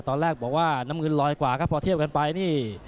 ตอนแรกบอกว่าน้ำเงินลอยกว่าครับพอเทียบกันไปนี่